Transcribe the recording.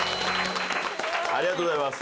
ありがとうございます。